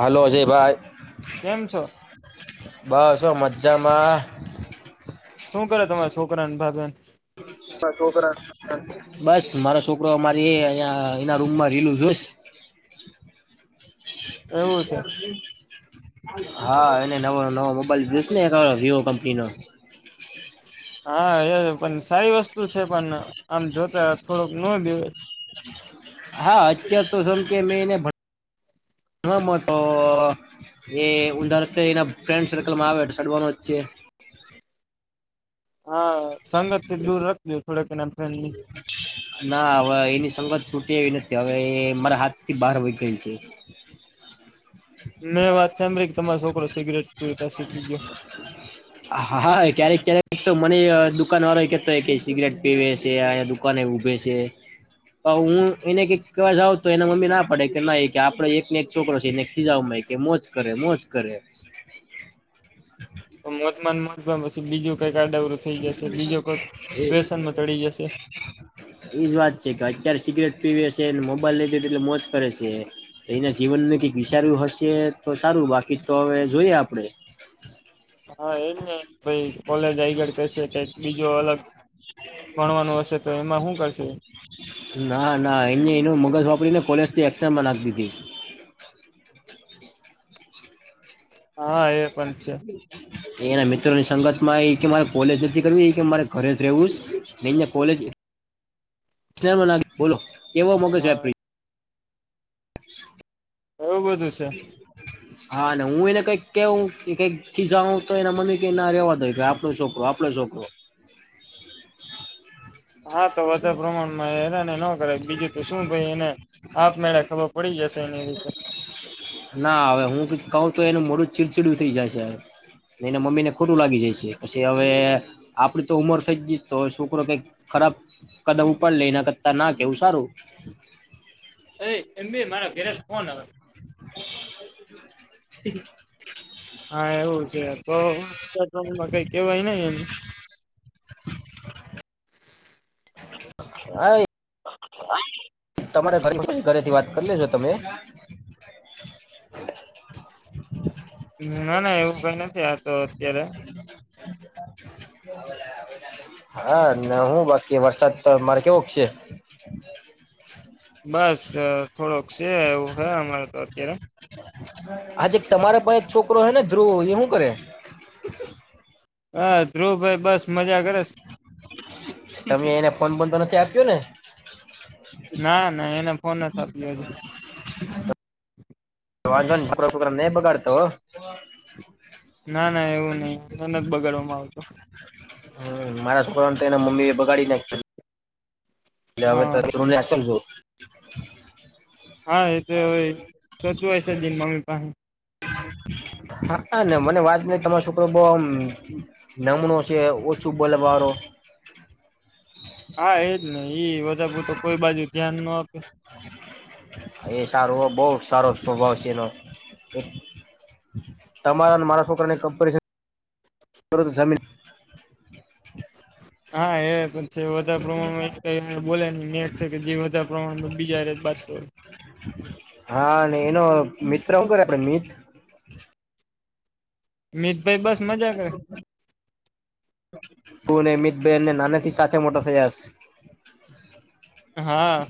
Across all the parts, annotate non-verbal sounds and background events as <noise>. Hello જય ભાઈ કેમ છો બસ મજા જમા શું કરે તમારા છોકરાને ભાબેન છોકરા બસ મારો છોકરો મારી અ એના રૂમમાં રીલું જોસ એવું છે <inaudible> હા એને નવો નવો મોબાઈલ જોઈસ ને એક વિવો કંપની નો <unintelligible> હા એ પણ સારી વસ્તુ છે પણ આમ જોતા થોડુંક ન દેવા હા અત્યાર તો સમ કે મેં એને ભ ના મોટ એ ઊઘા રાસ્તે એના ફ્રેન્ડ સર્કલમાં આવે સડવાનો જ છે <unintelligible> હા સંગતથી દૂર રખદો થોડાક એને ના હવ એની સંગત સૂટે એવી ન કે હવે એ મારા હાથથી બહાર વહી ગયેલ છે. મેં વાત સાંભળી કે તમાર સોકરો સિગરેટ પીતા શીખી ગયો. હા ક્યારેક ક્યારેક તો મને દુકાન વાળો એ કેતો હો કે સિગરેટ પીવે. છે અયા દુકાન ઉભે છે. હું એને કંઈક કેવા જાઉં તો એના મમ્મી ના પડે કે ના કે આપડે એકને એક છોકરો છે એને ખીજાવમાં કે મોજ કરે મોજ કરે. મોજ માન મોજમાં પછી બીજું કઈક આદા અવળું થઈ જશે બીજો કઈક વ્યસનમાં ચડી જશે. ઈજ વાત છે કે અત્યારે સિગરેટ પીવે સેન મોબાઈલ લઈ દે એટલે મોજ કરે છે એના જીવનને કઈક વિચાર્યું હશે તો સારું. બાકી તો હવે જોઈએ આપડે. હા એમને પહી કોલેજ આઈગળ કરશે કંઈક બીજો અલગ ભણવાનું હશે તો એમાં હું કરશે. ના ના એને એનું મગજ વાપરીને કોલેજ થી એક્સામમાં નાખ દીધી. હા એ પણ છે. એના મિત્રોની સંગત માં એ કે મારે કોલેજ નથી કરવી એ કે મારે ઘરે જ રહેવુંસ ને ઐયા કોલેજ <unintelligible> બોલો એવો મોકે છે આપ હા એવું બધું છે. હા ને હું એને કઈક કેવું કઈક ખીજાવું તો એના મમ્મી કે ના રેવાડો ઈકે આપડો છોકરો આપડો છોકરો. <unintelligible> હા તો વધાર પ્રમાણમાં હેરાને નો કરાય બીજું તો શું ભાઈ એને આપ મેળ ખબર પડી જશે એની રીતે. ના હવે હું કંઈક કઉ તો એનું મોઢું ચીડચિડું થઈ જાય છે. એને મમ્મી ને ખોટું લાગી જઈ છે, પછી હવે આપડી તો ઉમર થઈ જ ગઈ તો છોકરો કઈક ખરાબ કદમ ઉપાડ લે ઈના કરતા ના કેવું સારું. એ એમબી મારા ઘરેથી ફોન આવે. <unintelligible> હા એવું છે તો <unintelligible> કઈ કેવાય નઈ એને. હા તમારે ઘરે ઘરેથી વાત, કર લેજો તમે ના ના એવું કઈ નથી, આતો અત્યારે હા, ન્યા હુ, બાકી વરસાદ તમારે કેવો છે? બસ થોડોક છે, એવું હે અમારે તો અત્યારે આજ એક તમારે પાહે એક છોકરો, હે ને ધ્રુવ એ હું કરે? હા, ધ્રુવ ભાઈ બસ મજા કરે છે. તમે, એને ફોન બોન તો નથી, આપ્યો ને? ના, ના એને ફોન નથ, આપ્યો હજી. વાંધોની છોકરા, છોકરા નહી. બગાડતો. ના ના એવું નહી, મન જ બગાડવામાં આવતો હમ, મારા છોકરાને, તો એના મમ્મી એ બગાડી નાખ એટલે હવે, ત હા તુ ના શકજો હા, એ તો હોય, સચવાય છે. જ એન મમ્મી પાહે. હા, મને વાત મળી તમારો સોકરો બઉ આમ નમણો છે. ઓછું બોલે વારો. હા, ઈજ ને ઈ વધારપરતું કોઈ બાજુ ધ્યાન નો આપે સારુ બોજ સારો સ્વભાવ છે, એનો એક તમારા અને મારા છોકરાની, કમ્પેરિઝન તો જમીન <inaudible> હા, એ પણ છે, વધારે પ્રમાણમાં બોલેને જે પ્રમાણમાં બીજા <unintelligible> હા, અને એનો મિત્ર હુ કરે પેલો મીત? મિતભાઈ બસ મજા કરે <unintelligible> પુણે મિત. બેનને, નાનેથી સાથે મોટો થયાશે <inaudible> હા.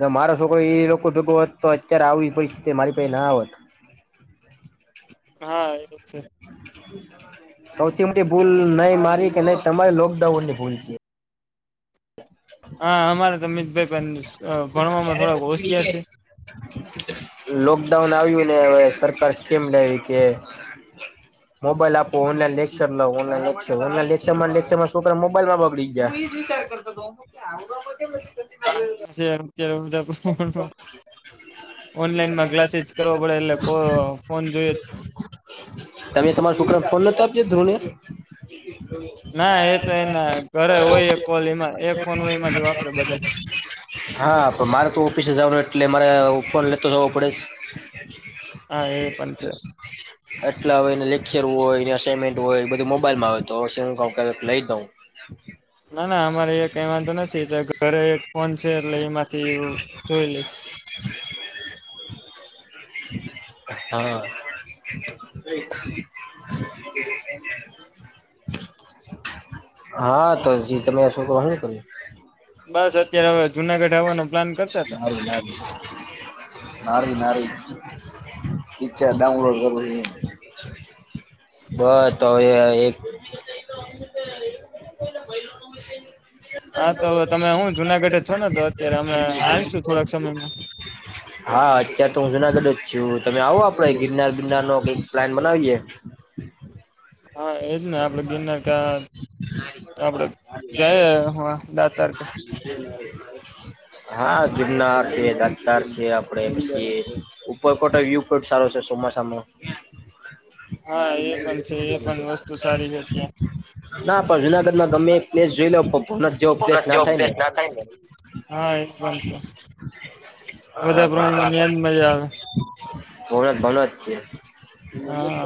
જો, મારો છોકરો એ લોકો દગો હોત તો અત્યારે, આવી પરિસ્થિતિ મારી પાહે ના આવત <inaudible> હા, એ છે સૌથી મોટી ભૂલ નઈ મારી કે નઈ તમારી લોકડાઉનની ભૂલ છે. હા, અમારે તો અમિતભાઈ પણ ભણવામાં થોડાક હોશિયાર છે. લોકડાઉન, આવ્યુને હવે સરકાર સ્કીમ લાયવી કે મોબાઈલ આપો ઓનલાઈન, લેક્ચર લઉ ઓનલાઈન લેક્ચર ઓનલાઈન લેક્ચરમા, ને લેક્ચરમાં છોકરા મોબાઈલમાં બગડી <unintelligible> હલો છે. <unintelligible> ઓનલાઈમા ક્લાસીસ, કરવાં પડે એટલે ફોન જોઈએ તમે તમારા છોકરાને, ફોન નતો આપ્યો ધ્રુવને? ના એ તો એના ઘરે હોય એક કોલ એમાં એક ફોન હોય એમાંથી વાપરે બધા ના <unintelligible> હા, પણ મારે તો ઓફિસે જવાનું એટલે મારે ફોન લેતો જવો પડેસ હા, એ પણ છે. એટલા હવે લેક્ચર હોય, ને અસાઈમેન્ટ હોય. બધું મોબાઈલમા આવેતો <unintelligible> લઈ દઉં. <inaudible> ના ના, અમારે એ કય વાંધો નથી એટો ઘરે એક ફોન છે. એટલે એમાં એવુ, જોઈલે <inaudible> હા. <inaudible> <inaudible> હા, તો તમે શું કરો કર્યું. બસ અત્યારે હવે, જુનાગઢ આવવાનો પ્લાન કરતા <inaudible> હતા નારી નારી. પિક્ચર ડાઉનલોડ કરવું છું. બસ તોવે એક. <unintelligible> હા, તો તમે હું જુનાગઢ જ છોને તો અત્યારે અમે આવીશું થોડાક સમયમાં હા, અત્યારે તો હું જુનાગઢ જો તમે આવો આપડે ગિરનાર બિરનારનો કઈક પ્લાન બનાવીએ. હા એજ ને આપડે ગિરનાર કા <inaudible> આપડે ગયા <unintelligible> તારીકે. હલો. હા, જુમનાર છે, દતાર છે આપડે એ ઉપર કોટ વ્યુઈન્ટ સારો છે. ચોમાસામનો, ક્યાં? હા એ પણ છે એ પણ વસ્તુ સારી છે <unintelligible> ના પણ જુનાગઢમાં ગમે પ્લેસ જોઈ લેવ <unintelligible> જેવો ત્યાં જો પ્લેસનાં થાય ને. અભ્યાસ ના થાય ને <inaudible> હા એ પણ છે હા. વધારે પ્રમાણમાં ન્યાજ મજા આવે <unintelligible> ભણત છે. <unintelligible> હા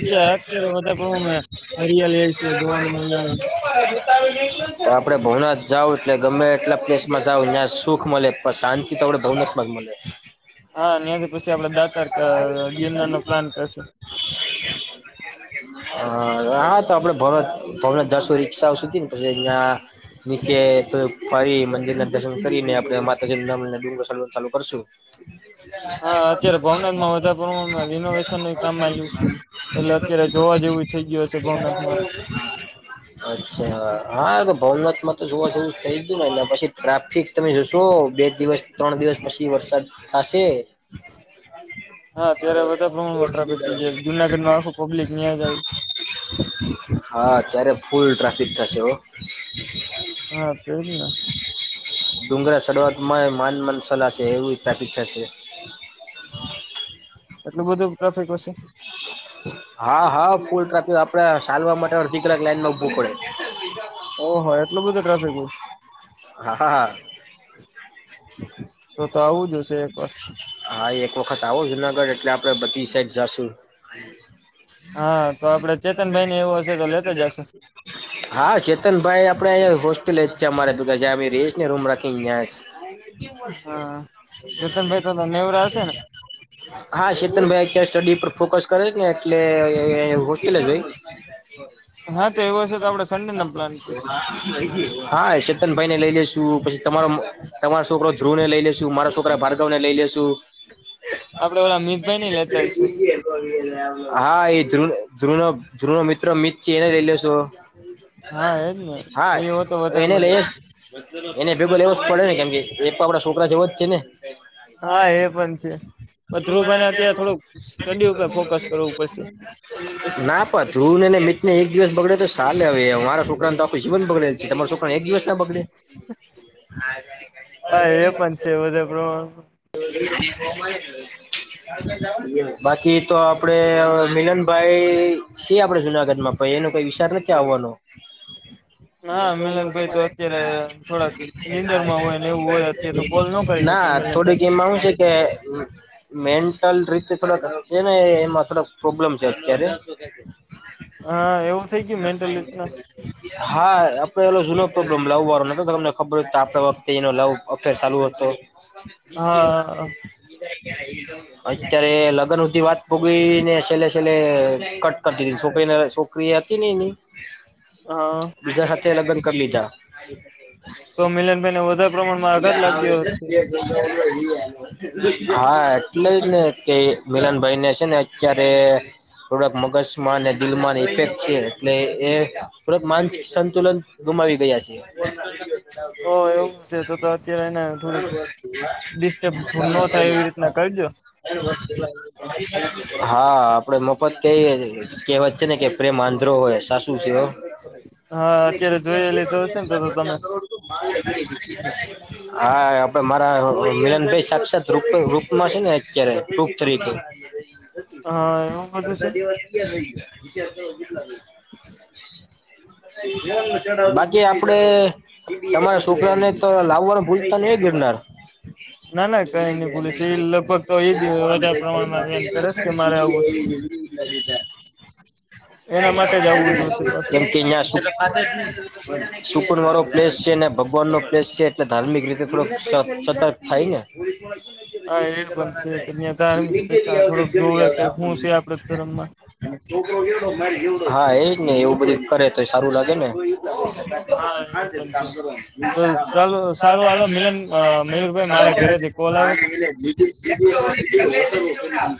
અત્યારે અત્યારે વધારે પ્રમાણમાં હરિયાલી છે જોવાની મજા આવે આપડે ભવનાથ જાવ એટલે ગમે એટલા પ્લેસમાં જાાવ જ્યા સુખ મળે પણ શાંતિ તોડે ભહમકમાં મળે <inaudible> <inaudible> હા ત્યાંથી પછી આપડે દાતાર ગિરનાર નો પ્લાન કરશું હ હા તો આપડે ભ ભ જશો રિક્ષાઓ સુધી ને પછી અહં મચે ત ફરી મ દર્શન કરીને આપે માતાજીમ ડું ચાલુ કરશું હા અત્યારે ભવનાથમાં વધારે પ્રમાણમાં રિનોવેશન ન કામ આ્યું છે એટલે અત્યારે જોવા જેવું થઈ ગયું હશે <inaudible> ભવનાથમાં અચ્છા હા ભવનાથ માં તો જોવા જોવું થઈ ગયું નેને પછી ટ્રાફિક તમે જોશો બે દિવસ ત્રણ દિવસ પછી વરસાદ થશે <inaudible> હા અત્યારે વધારે પ્રમાણમાં ટ્રાફિક થઈ જાય જુનાગઢ નું આખું પબ્લિક ન્યાં જ આવે હાત્યારે ફૂલ ટ્રાફિક થશે ઓ હા તોજ ના ડુંગરા શરૂઆત માં માન મન સલાશે એવી પ્રાપ થશે હ એટલું બધું ટ્રાફિક હશે હા હા ફૂલ ટ્રાફી આપડે ચાલવા માટે અડધી કલાક લાઈન ન ઉભું પડે ઓહો એટલું બધું ટ્રાફિક હોય હા હા હા તો તો આવું જ હશે એકવાર હા એક વખત આવો જુનાગઢ એટલે આપડે બધી સાઈડ જાશું હા તો આપડે ચેતનભાઈ ને એવું હશે તો લેતા જશું હા ચેતનભાઈ આપડે હોસ્ટેલ જ છે અમારે રેશને રૂમ રાખીને <inaudible> હા ચેતનભાઈ તો નેવરા હશે ને હા ચેતન ભાઈ અત્યારે સ્ટડી પર ફોકસ કરે છે ને એટલે હોસ્ટેલ જ હોય હા તો એવો હશે તો આપડે સન્ડે ના પ્લાન કરીશું હા એ ન ભાઈ ને લઈ લેશુ પછી તમારો તમારો છોકરો ધ્રુવને લઈ લેશુ મારા છોકરા ભાર્ગવને લઈ લેશું <inaudible> આપડે ઓલા મિતભાઈ એ ને લેતા આવીશું બીજી એ હા એ ધ્રુ ધ્રુ ધ્રુો મિત્ર મિત છે એને લઈ લેશો હા એજ ને <inaudible> હા એ હો તો વધારે એને મજા લઈ આવે. એને ભેગોલ એવો જ પડે ને કેમ કે એપડા છોકરા છે એવા જ છે ને હા એ પણ છે <inaudible> મિતને ધ્રુવભાઈને અત્યારે થોડુંક સ્ટડી ઉપર ફોકસ કરવું પડશે એક દિવસ બગડે તો સાલે આવે મારા છોકરા તોખું જીવન બગડે છે, તમારો છોકરાને એક દિવસ ના બગડે <inaudible> હા એ પણ <unintelligible> બાકી તો આપડે અવે મિલનભાઈ છે આપણેે જુનાગઢમાં પણ એનો કોઈ વિચાર નથી આવવાનો હા મિલનભાઈ તો અત્યારે થોડાક નીંદર માં હોય ને એવું હોય અત્યારે તો કોલ ન <inaudible> કરી શકીએ ના થોડીક મિલનભાઈને એમાં હું છે કે મેન્ટલ રીતે થોડા છે, ને એમાં થોડા પ્રોબ્લેમ છે, અત્યારે હા એવું થઈ ગયું મેન્ટલી હા. આપડે એલો જૂનો પ્રોબ્લમ લાવવા નતો તમને ખબર તો આપણા વખતે એનો લાવ અફેર ચાલુ હતો. હા <inaudible> અત્યારે લગન હુધી વાત ભોગવીને છેલ્લે છેલે કટ કરતી છોકરી છોકરી હતી ને એની હા બીજા સાથે લગ્ન કરી લીધા તો મિલનભાઈને વધારે પ્રમાણમાં આગાર લાગયો ગયો છે. <inaudible> હા એટલે જ ને કે મિલનભાઈને છે, ને અત્યારે થોડાક મગજમાં અને દિલમાં ઇફેક્ટ છે, એટલે એ તરત માનસિક સંતુલન ગુમાવી ગયા છે. ઓ એવું છે, તો અત્યારે એને થોડુંક ડિસ્ટર્બ ન થાય એવી રીતના કરજો હા. આપડે મફત કઈ કહેવત છે, ને કે પ્રેમ આંધ્રો હોય સાસું છે. હા અત્યારે જોઈ લીધો હશે ને તો તો તમે હા. મારા મિલનભાઈ સાક્ષાત રૂપ રૂપમાં છે, ને અત્યારે હા એવું બધું છે <unintelligible> <inaudible> <inaudible> બાકી આપડે તમારા છોકરાને તો લાવવાનું ભૂલતા ની એ ગિરનાર ના ના કઈ નઈ ભૂલીશ એ લગભગ તો એજ વધારે પ્રમાણમાં વેન <inaudible> કરે છે કે મારે આવું છે. <inaudible> એના માટે જ આવવું જોશે પાછું <inaudible> સુકુન વારો પલેસ છે, ને ભગવાન નો પ્લેસ છે, એટલે ધાર્મિક રીતે થોડો સ સતર્ક થાય ને હા એ પણ છે કે ત્યાં ધાર્મિક પ્રથા થોડોક જોવે કે હું છે આપડે ધરમમાં <inaudible> હા એજ ને એવું બધું કરે તો સારું લાગે ને હા એ પણ છે તો ચાલો સારું હાલો મિલન <inaudible> અ મયુરભાઈ <inaudible> મારા ઘરેથી કોલ આવે છે.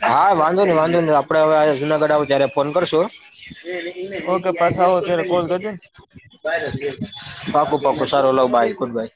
હા વાંધો નહી વાંધો નહી આપડે હવેે જુનાગઢ આવ ત્યારે ફોન કરશું ઓકે પાછા આવો ત્યારે કોલ કરજે ને <inaudible> પાકુ પાકુ સારો લવ બાય ગુડ બાય